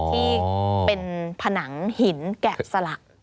ที่เป็นผนังหินแกะสลัก